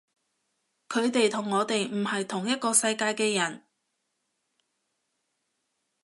佢哋同我哋唔係同一個世界嘅人